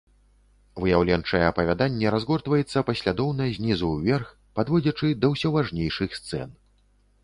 Выяўленчае апавяданне разгортваецца паслядоўна знізу ўверх, падводзячы да ўсё важнейшых сцэн.